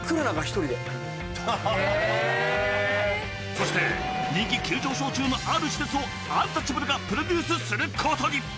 そして人気急上昇中のある施設をアンタッチャブルがプロデュースすることに。